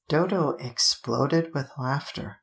Dodo exploded with laughter.